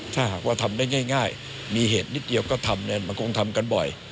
ถ้าหากว่าทำได้ง่ายมีเหตุนิดเดียวก็ทำมันคงทำกันบ่อย